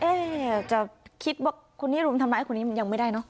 เอ๊ะจะคิดว่าคนนี้รู้มันทำไมคนนี้มันยังไม่ได้เนอะ